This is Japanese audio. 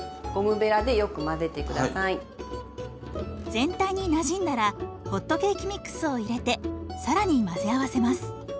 全体になじんだらホットケーキミックスを入れて更に混ぜ合わせます。